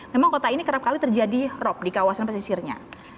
memang kota ini kerap kali terjadi rop di kawasan pesisirnya